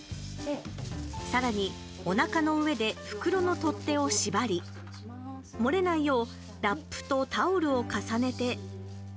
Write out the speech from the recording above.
さらにおなかの上で袋の取っ手を縛り漏れないようラップとタオルを重ねて。